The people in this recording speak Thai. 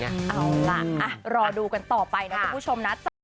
เอาล่ะรอดูกันต่อไปนะคุณผู้ชมนะจ๊ะ